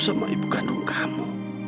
sama ibu kandung kamu